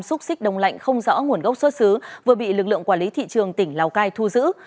bốn trăm linh kg xúc xích đông lạnh không rõ nguồn gốc xuất xứ vừa bị lực lượng quản lý thị trường tỉnh lào cai thu giữ